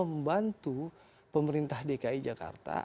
membantu pemerintah dki jakarta